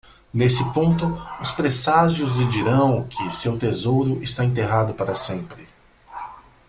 Nesse ponto, os presságios lhe dirão que seu tesouro está enterrado para sempre.